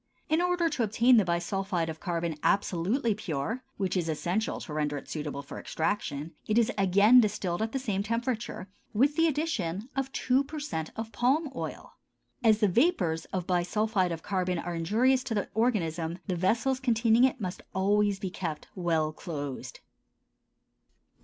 In order to obtain the bisulphide of carbon absolutely pure, which is essential to render it suitable for extraction, it is again distilled at the same temperature, with the addition of two per cent of palm oil. As the vapors of bisulphide of carbon are injurious to the organism, the vessels containing it must always be kept well closed.